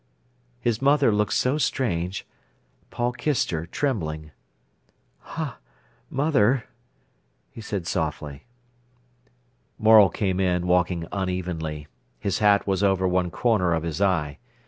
His mother looked so strange, Paul kissed her, trembling. "Ha—mother!" he said softly. Morel came in, walking unevenly. His hat was over one corner of his eye.